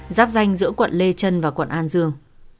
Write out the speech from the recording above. giáp danh giữa quận lê trân và quận an dương